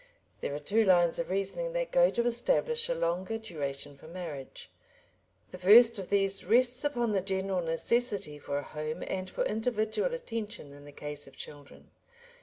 There are two lines of reasoning that go to establish a longer duration for marriage. The first of these rests upon the general necessity for a home and for individual attention in the case of children.